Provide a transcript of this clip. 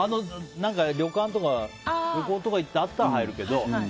旅館とか、旅行とかで行ってあったら入るけど。